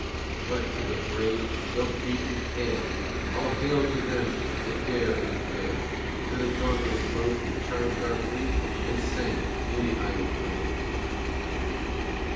But to the brave though beaten, hail! All hail to them that dare and fail! To the dauntless boat that charged our fleet And sank in the iron hail!